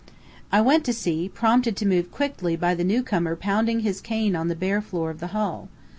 I went to see, prompted to move quickly by the new comer pounding his cane on the bare floor of the hall.